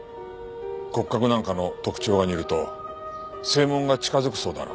骨格なんかの特徴が似ると声紋が近づくそうだな。